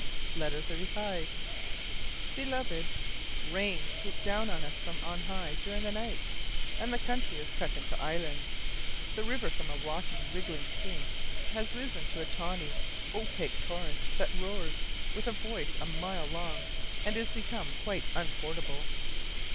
LETTER XXXV. Beloved: Rain swooped down on us from on high during the night, and the country is cut into islands: the river from a rocky wriggling stream has risen into a tawny, opaque torrent that roars with a voice a mile long and is become quite unfordable.